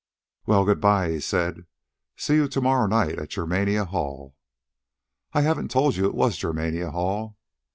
"Well, good bye," he said. "See you to morrow night at Germania Hall." "I haven't told you it was Germania Hall."